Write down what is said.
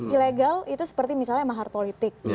ilegal itu seperti misalnya mahar politik